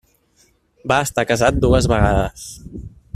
Va estar casat dues vegades.